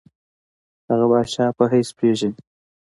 هغه پاچا په حیث پېژني.